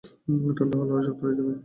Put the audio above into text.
ঠান্ডা হলে আরও শক্ত হয়ে যাবে।